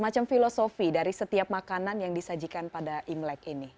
macam filosofi dari setiap makanan yang disajikan pada imlek ini